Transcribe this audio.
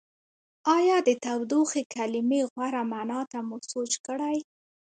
ایا د تودوخې کلمې غوره معنا ته مو سوچ کړی؟